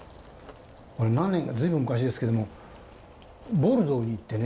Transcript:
俺何年か随分昔ですけどもボルドーに行ってね。